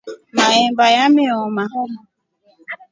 Maemba yameoma.